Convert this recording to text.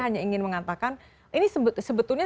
hanya ingin mengatakan ini sebetulnya